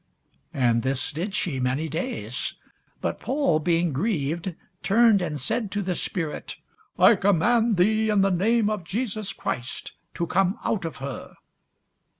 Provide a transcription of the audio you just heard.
And this did she many days. But Paul, being grieved, turned and said to the spirit, I command thee in the name of Jesus Christ to come out of her.